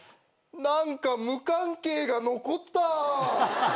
何か無関係が残った！